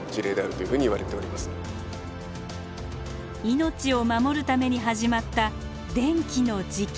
命を守るために始まった電気の自給。